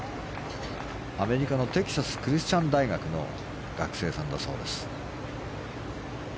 アメリカのテキサス・クリスチャン大学の学生さんだそうです。